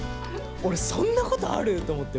俺そんなことある！？と思って。